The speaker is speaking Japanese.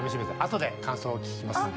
後で感想を聞きますんで。